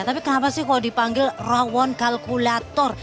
tapi kenapa sih kalau dipanggil rawon kalkulator